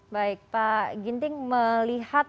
baik pak ginting melihat